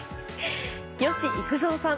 吉幾三さん